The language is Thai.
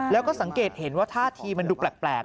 แล้วก็สังเกตเห็นว่าท่าทีมันดูแปลก